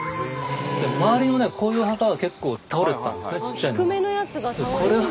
周りのねこういう墓は結構倒れてたんですねちっちゃいのは。